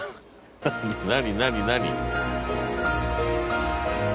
何何何？